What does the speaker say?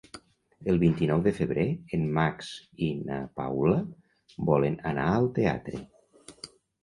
El vint-i-nou de febrer en Max i na Paula volen anar al teatre.